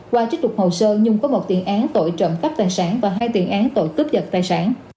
qua chức tục hồ sơ nhung có một tiền án tội trộm cắp tài sản và hai tiền án tội cướp giật tài sản